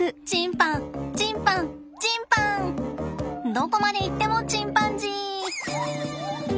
どこまでいってもチンパンジー！